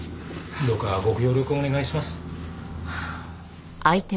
どうかご協力をお願いします。